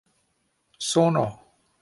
sono